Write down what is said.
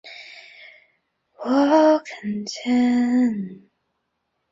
围口冠蛭蚓为蛭蚓科冠蛭蚓属的动物。